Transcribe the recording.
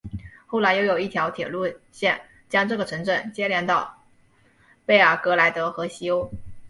后来又有一条铁路线将这个城镇连接到贝尔格莱德和西欧。